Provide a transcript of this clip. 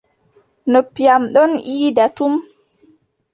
Noppi am don iida tum.